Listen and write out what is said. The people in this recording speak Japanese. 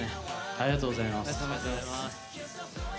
ありがとうございます。